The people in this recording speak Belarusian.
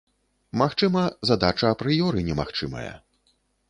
Магчыма, задача апрыёры немагчымая.